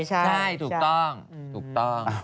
ใช่ถูกต้อง